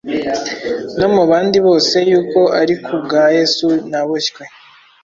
no mu bandi bose, yuko ari ku bwa Yesu naboshywe;